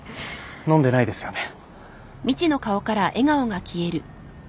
飲んでないですよね？